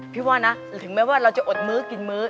พี่ว่านะถึงแม้ว่าเราจะอดมื้อกินมื้อ